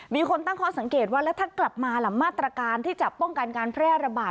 มีคนตั้งข้อสังเกตว่าแล้วถ้ากลับมาล่ะมาตรการที่จะป้องกันการแพร่ระบาด